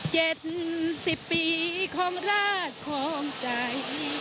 เจ็ดสิบปีของราชของใจ